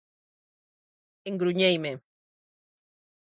Engruñeime.